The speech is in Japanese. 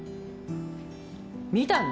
見たの？